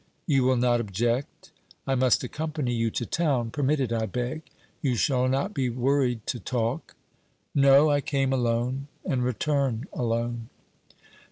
'You will not object?... I must accompany you to town. Permit it, I beg. You shall not be worried to talk.' 'No; I came alone and return alone.'